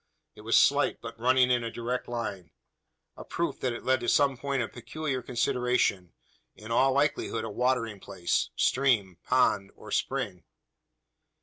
It was slight, but running in a direct line a proof that it led to some point of peculiar consideration in all likelihood a watering place stream, pond, or spring.